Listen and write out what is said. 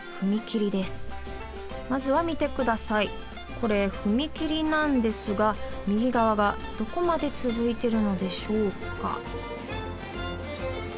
これふみきりなんですがみぎがわがどこまでつづいてるのでしょうか？